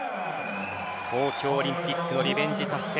東京オリンピックのリベンジ達成。